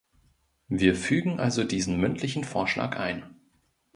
Wir fügen also diesen mündlichen Vorschlag ein.